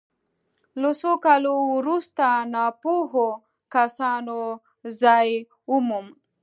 له څو کالو وروسته ناپوهو کسانو ځای وموند.